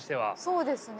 そうですね。